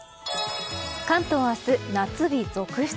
関東、明日は夏日続出。